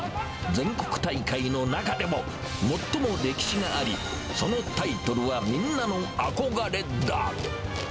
全国大会の中でも、最も歴史があり、そのタイトルはみんなの憧れだ。